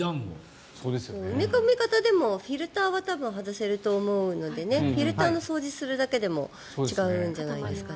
埋め込み型でもフィルターは外せると思うのでフィルターの掃除をするだけでも違うんじゃないですかね。